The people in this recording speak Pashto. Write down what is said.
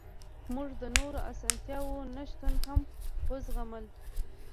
موږ د نورو اسانتیاوو نشتون هم وزغملو